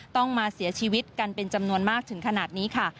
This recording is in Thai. ต้องมาเสียชีวิตกันเป็นจำนวนมากถึงขนาดนี้ค่ะ